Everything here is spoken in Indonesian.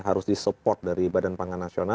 harus di support dari bpn